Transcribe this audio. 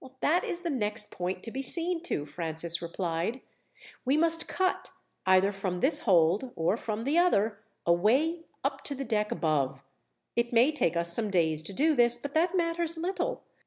"That is the next point to be seen to," Francis replied. "We must cut, either from this hold or from the other, a way up to the deck above. It may take us some days to do this, but that matters little.